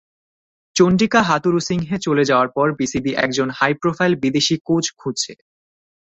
চন্ডিকা হাথুরুসিংহে চলে যাওয়ার পর বিসিবি একজন হাইপ্রোফাইল বিদেশি কোচ খুঁজছে।